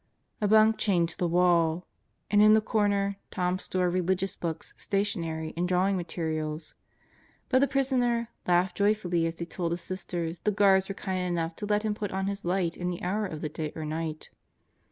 A bunk chained to the wall. And in the corner, Tom's store of religious books, stationery and drawing materials. But the prisoner, laughed joyfully as he told the Sisters the guards were kind enough to let him put on his light any hour of the day or night.